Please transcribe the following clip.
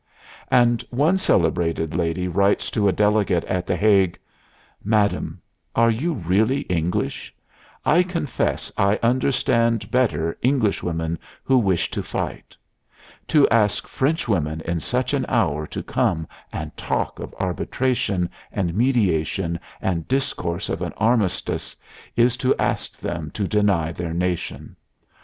And one celebrated lady writes to a delegate at The Hague: "Madam, are you really English?... I confess I understand better Englishwomen who wish to fight.... To ask Frenchwomen in such an hour to come and talk of arbitration and mediation and discourse of an armistice is to ask them to deny their nation....